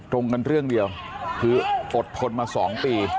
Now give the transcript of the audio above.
ตรงกันเรื่องเดียวคืออดทนมา๒ปี